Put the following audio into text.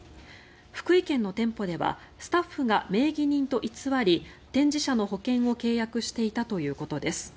福井県の店舗ではスタッフが名義人と偽り展示車の保険を契約していたということです。